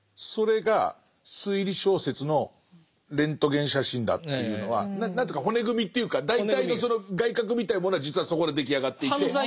それが推理小説のレントゲン写真だっていうのは何ていうか骨組みというか大体のその外郭みたいなものは実はそこで出来上がっていて。